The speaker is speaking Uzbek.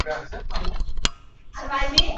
Buning ustiga ko‘rak tikandek qotib qolgan.